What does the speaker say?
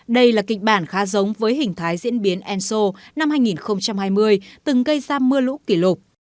đây là kịch bản khá giống với hình thái diễn biến enso năm hai nghìn hai mươi từng gây ra mưa lũ kỷ lục